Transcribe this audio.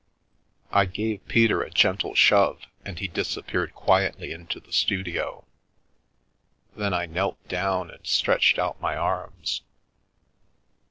I gave Peter a gentle shove, and he disappeared quietly into the studio. Then I knelt down, and stretched out my arms.